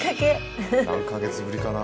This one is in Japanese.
何か月ぶりかな。